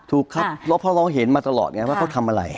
ถูกครับเพราะเราเห็นมาตลอดไงว่าเขาทำอะไร